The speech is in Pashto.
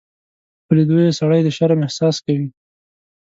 په لیدو یې سړی د شرم احساس کوي.